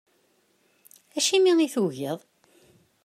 Acimi i tugiḍ?